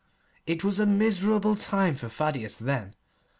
It was a miserable time for Thaddeus then.